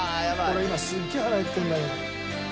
俺今すげえ腹減ってるんだけど。